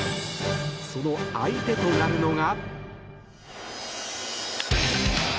その相手となるのが。